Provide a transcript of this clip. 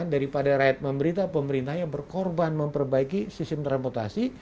daripada rakyat memberita pemerintahnya berkorban memperbaiki sistem transportasi